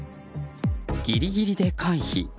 ギリギリで回避。